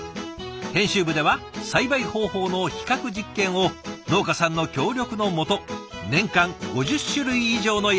編集部では栽培方法の比較実験を農家さんの協力のもと年間５０種類以上の野菜で行っています。